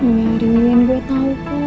ya rilin gue tau kok